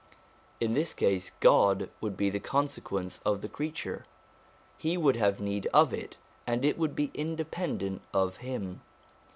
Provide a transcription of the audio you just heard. In this case, God would be the conse quence of the creature : He would have need of it, and it would be independent of Him.